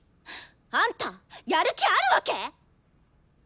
あんたやる気あるわけ！？